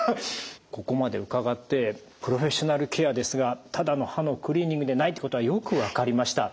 ここまで伺ってプロフェッショナルケアですがただの歯のクリーニングでないってことはよく分かりました。